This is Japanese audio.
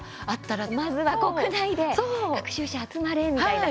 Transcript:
まずは国内で学習者集まれみたいな。